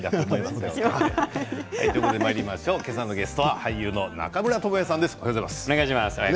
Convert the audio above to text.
今朝のゲストは俳優の中村倫也さんです。